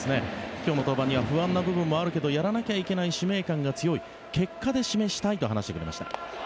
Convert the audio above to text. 今日の登板には不安があるけどやらなければいけない使命感が強い結果を出したいと話しました。